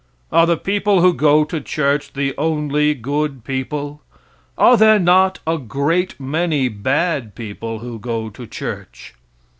Are the people who go to church the only good people? Are there not a great many bad people who go to church?